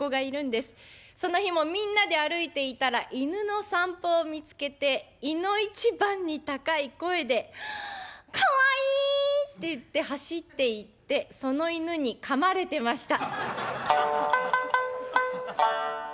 その日もみんなで歩いていたら犬の散歩を見つけていの一番に高い声で「かわいい！」って言って走っていってその犬にかまれてました。